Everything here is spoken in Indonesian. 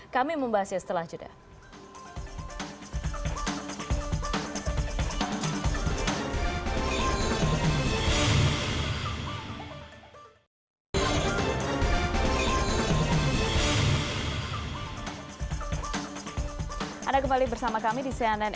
kami membahasnya setelah jeda